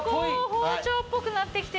包丁っぽくなって来てる。